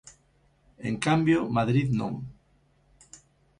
En cambio, Madrid, non.